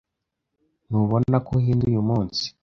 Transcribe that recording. ' Ntubona ko uhinduye umunsi?